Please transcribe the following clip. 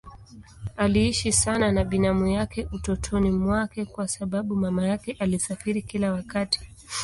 Aliishi sana na binamu yake utotoni mwake kwa sababu mama yake alisafiri kila wakati.